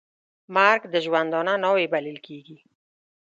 مرګ د ژوندانه ناوې بلل کېږي .